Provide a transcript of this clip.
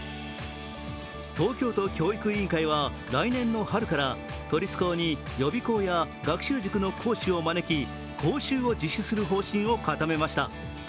東京都教育委員会は来年の春から都立高に予備校や学習塾の講師を招き、講習を実施する方針を固めました。